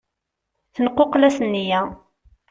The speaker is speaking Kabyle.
Tenquqla-s nniya.